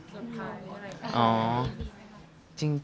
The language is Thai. ส่วนท้ายเป็นไรครับ